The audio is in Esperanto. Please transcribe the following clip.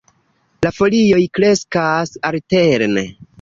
La folioj kreskas alterne.